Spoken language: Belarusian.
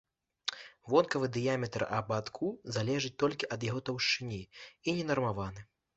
Вонкавы дыяметр абадку залежыць толькі ад яго таўшчыні і не нармаваны.